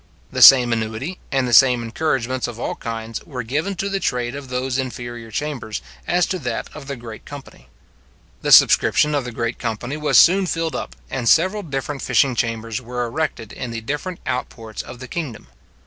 The same annuity, and the same encouragements of all kinds, were given to the trade of those inferior chambers as to that of the great company. The subscription of the great company was soon filled up, and several different fishing chambers were erected in the different out ports of the kingdom.